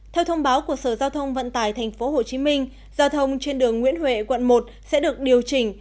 theo thông báo của sở giao thông vận tải tp hcm giao thông trên đường nguyễn huệ quận một sẽ được điều chỉnh